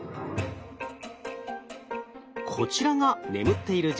こちらが眠っている状態。